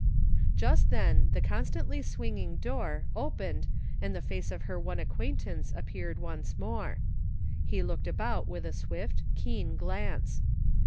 Just then the constantly swinging door opened and the face of her one acquaintance appeared once more. He looked about with a swift, keen glance.